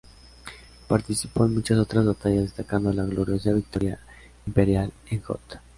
Participó en muchas otras batallas, destacando la gloriosa victoria imperial en Hoth.